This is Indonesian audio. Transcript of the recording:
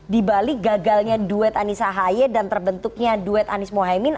di balik gagalnya duet anies muhaimin